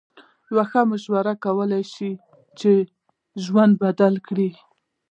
یوه ښه مشوره کولای شي د چا ژوند بدل کړي.